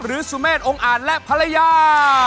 หรือสุเมฆองอ่านและภรรยา